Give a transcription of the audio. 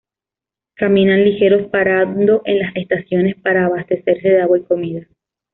Caminan ligeros, parando en las estaciones para abastecerse de agua y comida.